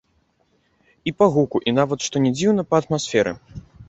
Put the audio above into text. І па гуку, і нават, што не дзіўна, па атмасферы.